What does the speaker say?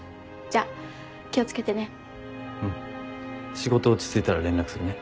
仕事落ち着いたら連絡するね。